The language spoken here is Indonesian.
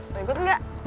mau ikut gak